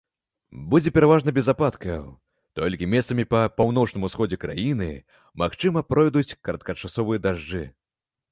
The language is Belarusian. Будзе пераважна без ападкаў, толькі месцамі па паўночным усходзе краіны, магчыма, пройдуць кароткачасовыя дажджы.